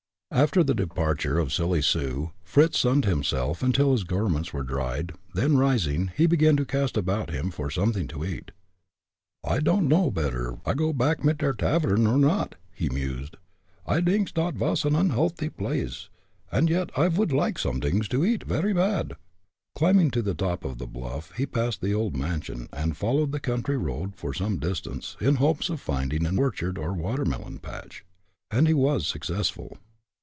After the departure of Silly Sue, Fritz sunned himself until his garments were dried; then rising, he began to cast about him for something to eat. "I don'd know better I go back mit der tavern, or not!" he mused. "I dinks dot vas an onhealthy blace, und yet I vould like somedings to ead, very bad." Climbing to the top of the bluff, he passed the old mansion, and followed the country road for some distance, in hopes of finding an orchard or watermelon patch. And he was successful.